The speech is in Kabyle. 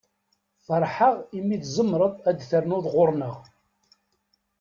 Feṛḥeɣ i mi tzemreḍ ad d-ternuḍ ɣuṛ-nneɣ.